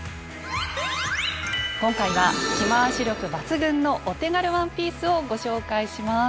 今回は着回し力抜群のお手軽ワンピースをご紹介します。